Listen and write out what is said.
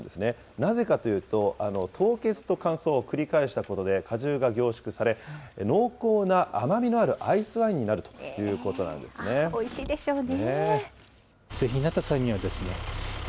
なぜかというと、凍結と乾燥を繰り返したことで、果汁が凝縮され、濃厚な甘みのあるアイスワインにおいしいでしょうね。